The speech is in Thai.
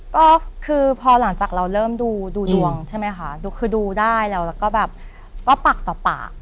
ก็คือพอหลังจากเราเริ่มดูดวงใช่ไหมคะคือดูได้แล้วแล้วก็แบบก็ปากต่อปาก